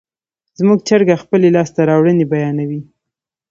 زموږ چرګه خپلې لاسته راوړنې بیانوي.